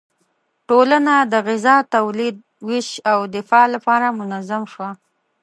ټولنه د غذا تولید، ویش او دفاع لپاره منظم شوه.